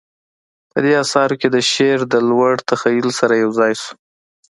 په دې اثارو کې شعر د لوړ تخیل سره یوځای شو